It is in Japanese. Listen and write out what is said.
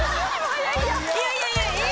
いやいやいやえ